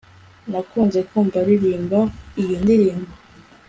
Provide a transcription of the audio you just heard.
Nakunze kumva aririmba iyo ndirimbo